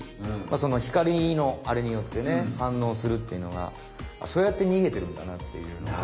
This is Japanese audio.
光のあれによってねはんのうするっていうのがそうやってにげてるんだなっていうのが。